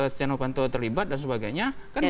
setia novanto terlibat dan sebagainya